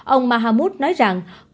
ông mahamud nói rằng